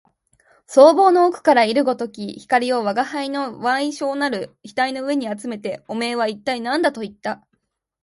双眸の奥から射るごとき光を吾輩の矮小なる額の上にあつめて、おめえは一体何だと言った